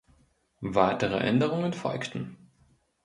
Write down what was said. Weitere Änderungen folgten.